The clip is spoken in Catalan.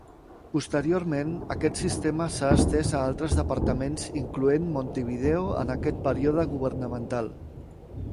Posteriorment, aquest sistema s'ha estès a altres departaments incloent Montevideo en aquest període governamental.